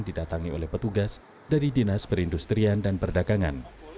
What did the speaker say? didatangi oleh petugas dari dinas perindustrian dan perdagangan